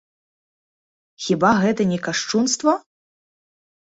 Хіба гэта не кашчунства?